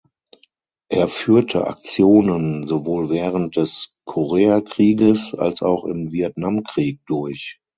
Er führte Aktionen sowohl während des Koreakrieges als auch im Vietnamkrieg durch.